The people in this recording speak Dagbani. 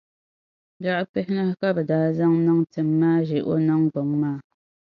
Biɛɣu pihinahi ka bɛ daa zaŋ niŋ tim maa ʒe o niŋgbuŋ maa.